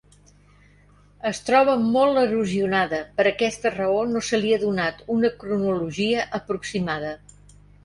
Es troba molt erosionada, per aquesta raó no se li ha donat una cronologia aproximada.